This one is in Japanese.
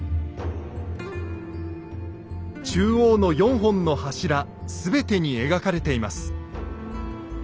中央の４本の柱全てに描かれています。